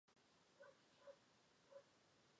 台湾厚距花为野牡丹科厚距花属下的一个种。